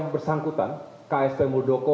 bersangkutan ksp muldoko